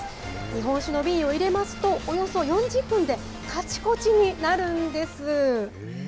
日本酒の瓶を入れますと、およそ４０分でかちこちになるんです。